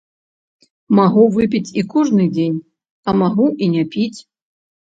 Магу выпіць і кожны дзень, а магу і не піць.